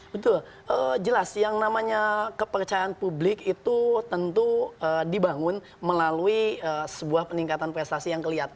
betul jelas yang namanya kepercayaan publik itu tentu dibangun melalui sebuah peningkatan prestasi yang kelihatan